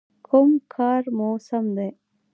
_کوم کار مو سم دی؟